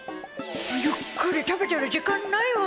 ゆっくり食べてる時間ないわ。